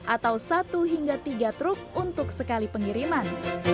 atau satu hingga tiga truk untuk sekali pengiriman